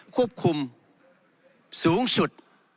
ควบคุมสูงสุด